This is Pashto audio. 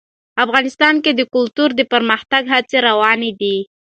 افغانستان کې د کلتور د پرمختګ هڅې روانې دي.